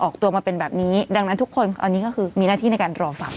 ตัวมาเป็นแบบนี้ดังนั้นทุกคนอันนี้ก็คือมีหน้าที่ในการรอฟัง